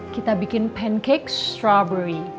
kita bikin pancake strawberry